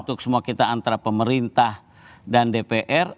untuk semua kita antara pemerintah dan dpr